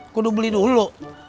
aku udah beli dulu